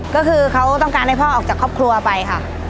ก็คือเขาต้องการให้พ่อออกจากครอบครัวไปค่ะ